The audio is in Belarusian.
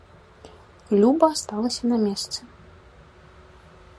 Люба асталася на месцы.